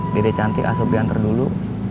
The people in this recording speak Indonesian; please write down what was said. dede cantik asok diantar dulu